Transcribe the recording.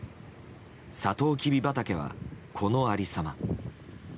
サトウキビ畑は、このありさま。